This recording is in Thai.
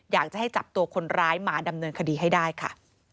อยากจะให้จับตัวคนร้ายมาดำเนินคดีให้ได้ค่ะ